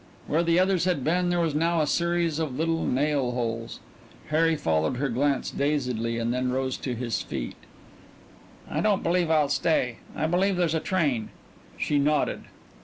Where the others had been, there was now a series of little nail holes. Harry followed her glance dazedly and then rose to his feet. "I don't believe I'll stay. I believe there's a train." She nodded.